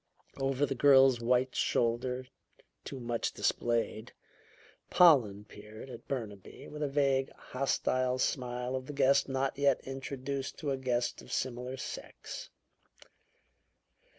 Over the girl's white shoulder, too much displayed, Pollen peered at Burnaby with the vague, hostile smile of the guest not yet introduced to a guest of similar sex.